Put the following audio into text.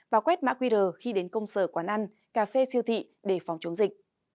và quét mạng quý rờ khi đến công sở quán ăn cà phê siêu thị để phòng chống dịch